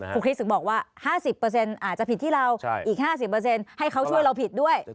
คริสถึงบอกว่า๕๐อาจจะผิดที่เราอีก๕๐ให้เขาช่วยเราผิดด้วย